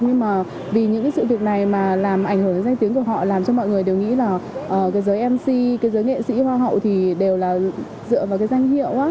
nhưng mà vì những cái sự việc này mà làm ảnh hưởng đến danh tiếng của họ làm cho mọi người đều nghĩ là cái giới mc cái giới nghệ sĩ hoa hậu thì đều là dựa vào cái danh hiệu